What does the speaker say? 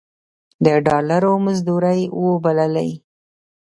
د ډالرو مزدورۍ وبللې.